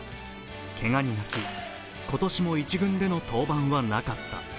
けがに泣き、今年も１軍での登板はなかった。